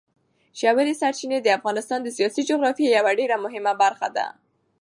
ژورې سرچینې د افغانستان د سیاسي جغرافیې یوه ډېره مهمه برخه ده.